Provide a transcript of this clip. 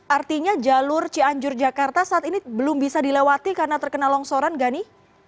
artinya jalur cianjur jakarta saat ini belum bisa dilewati karena terkena longsoran gani